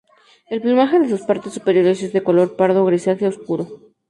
El plumaje de sus partes superiores es de color pardo grisáceo oscuro.